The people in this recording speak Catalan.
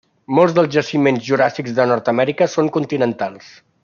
Molts dels jaciments juràssics de Nord-amèrica són continentals.